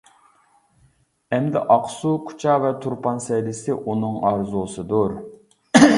ئەمدى ئاقسۇ، كۇچا ۋە تۇرپان سەيلىسى ئۇنىڭ ئارزۇسىدۇر.